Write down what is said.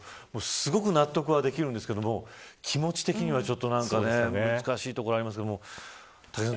すごく納得はできるんですけど気持ち的には難しいところがありますが。